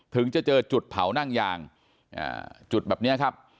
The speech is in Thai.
ถึงจะเจอจุดเผานั่งยางจุดแบบนี้ครับ